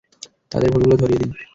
তাদের ভুলগুলো ধড়িয়ে দিন।